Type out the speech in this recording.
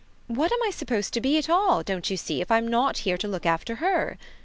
"What am I supposed to be at all, don't you see, if I'm not here to look after her?"